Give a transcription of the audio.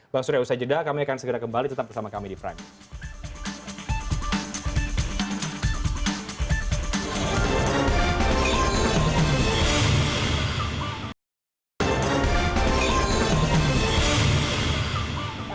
bang surya usai jeda kami akan segera kembali tetap bersama kami di prime news